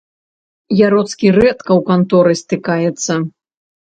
Яроцкі рэдка ў канторы стыкаецца.